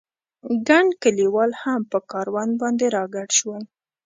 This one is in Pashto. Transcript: ګڼ کلیوال هم په کاروان باندې را ګډ شول.